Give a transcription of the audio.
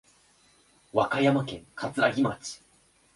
和歌山県かつらぎ町